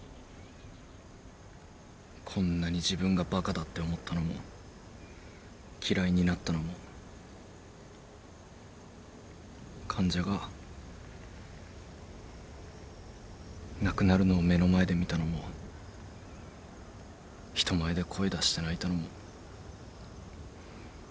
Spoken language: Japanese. こんなに自分がバカだって思ったのも嫌いになったのも患者が亡くなるのを目の前で見たのも人前で声出して泣いたのも全部初めてでした。